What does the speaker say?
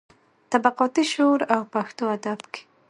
طبقاتي شعور او پښتو ادب کې.